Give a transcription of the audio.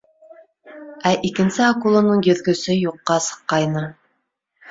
Ә икенсе акуланың йөҙгөсө юҡҡа сыҡҡайны.